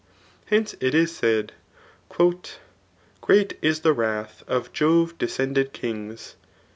Hence, it k said, And, Great is the wrath of Jove klescended kings